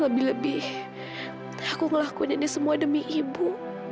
lebih lebih aku ngelakuin ini semua demi ibu